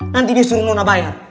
nanti dia suruh nona bayar